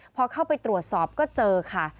พอเข้าไปตรวจสอบก็เจอค่ะ